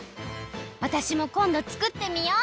わたしもこんどつくってみよう！